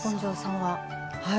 はい。